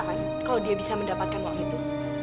bapak tidak tahu bahwa dia bisa mendapatkan uang itu